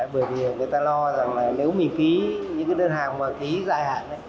bởi vì người ta lo rằng là nếu mình ký những cái đơn hàng mà ký dài hạn